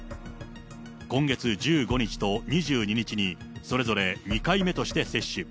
今月１５日と２２日に、それぞれ２回目として接種。